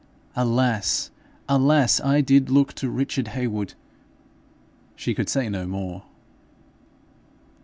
Alas! alas! I did look to Richard Heywood ' She could say no more.